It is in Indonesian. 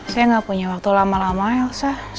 saya nggak punya waktu lama lama elsa